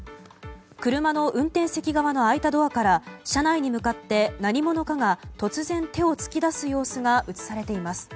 車の運転席側の開いたドアから車内に向かって何者かが突然手を突き出す様子が映されています。